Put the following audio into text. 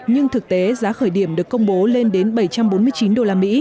nhưng thực tế giá khởi điểm được công bố lên đến bảy trăm bốn mươi chín usd